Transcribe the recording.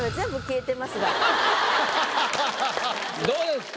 どうですか？